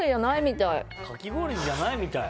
かき氷じゃないみたい。